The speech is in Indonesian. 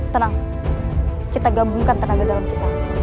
tenang kita gabungkan tenaga dalam kita